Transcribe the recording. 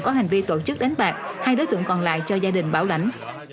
có hành vi tổ chức đánh bạc hai đối tượng còn lại cho gia đình bảo lãnh